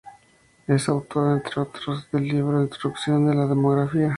Es autor, entre otros, del libro "Introducción a la demografía".